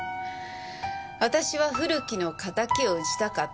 私は古木の敵を討ちたかった。